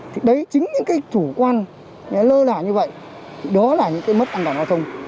thì đấy chính những cái chủ quan người ta lơ lại như vậy thì đó là những cái mất an toàn giao thông